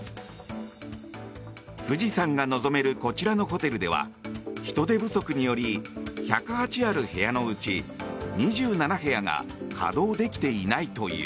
富士山が望めるこちらのホテルでは人手不足により１０８ある部屋のうち２７部屋が稼働できていないという。